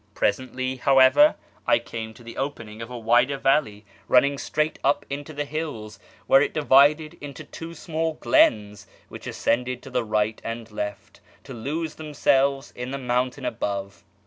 Presently, how ever, I came to the opening of a wider valley, running straight up into the hills, where it divided into two small glens, which ascended to the right and left, to lose themselves in the moun tain above.